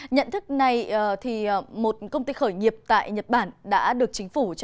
nhận thức này một công ty khởi nghiệp tại nhật bản đã được chính phủ cho phép bảo vệ